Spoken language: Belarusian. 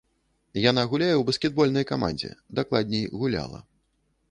Яна гуляе ў баскетбольнай камандзе, дакладней, гуляла.